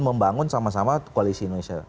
membangun sama sama koalisi indonesia